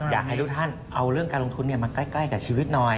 อยากให้ทุกท่านเอาเรื่องการลงทุนมาใกล้กับชีวิตหน่อย